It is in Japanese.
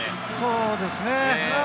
そうですね。